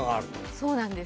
そうなんです。